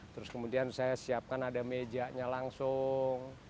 terus kemudian saya siapkan ada mejanya langsung